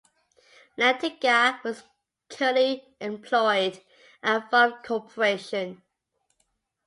Lantinga is currently employed at Valve Corporation.